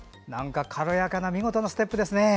軽やかな見事なステップですね。